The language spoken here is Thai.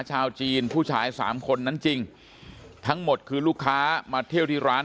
ชาวจีนผู้ชายสามคนนั้นจริงทั้งหมดคือลูกค้ามาเที่ยวที่ร้าน